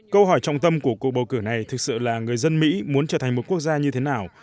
câu hỏi trọng tâm của cuộc bầu cử này thực sự là người dân mỹ muốn trở thành một quốc gia như thế nào